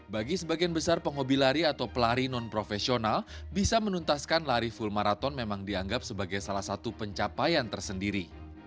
bagi sebagian besar penghobi lari atau pelari non profesional bisa menuntaskan lari full maraton memang dianggap sebagai salah satu pencapaian tersendiri